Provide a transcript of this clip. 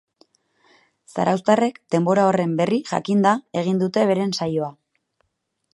Zarauztarrek denbora horren berri jakinda egin dute beren saioa.